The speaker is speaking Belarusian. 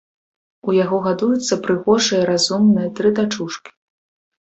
У яго гадуюцца прыгожыя, разумныя тры дачушкі.